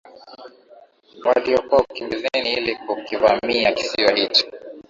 waliokuwa ukimbizini ili kukivamia kisiwa hicho